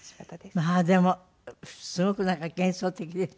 まあでもすごくなんか幻想的ですね。